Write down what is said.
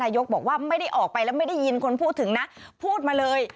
แล้วไม่ได้ยินคนพูดถึงนะพูดมาเลย